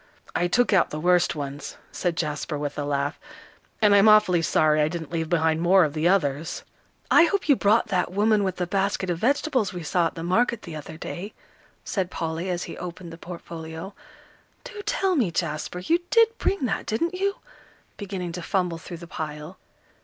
"I took out the worst ones," said Jasper, with a laugh. "And I'm awfully sorry I didn't leave behind more of the others." "I hope you brought that woman with a basket of vegetables we saw at the market the other day," said Polly, as he opened the portfolio. "Do tell me, Jasper, you did bring that, didn't you?" beginning to fumble through the pile.